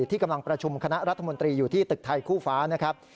ที่กำลังประชุมคณะรัฐมนตรีอยู่ที่ตึกไทยคู่ฟ้านะครับ